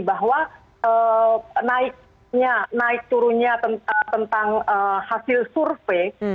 bahwa naik turunnya tentang hasil survei